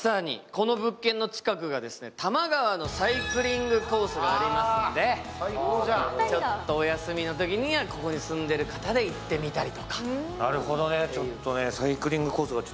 この物件の近くが多摩川のサイクリングコースがありますので、お休みのときにはここに住んでる方で行ってみたりとか。